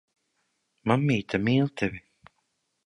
Mammīte mīl tevi.